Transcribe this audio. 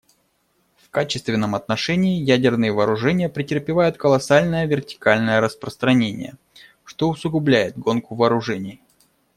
В качественном отношении ядерные вооружения претерпевают колоссальное вертикальное распространение, что усугубляет гонку вооружений.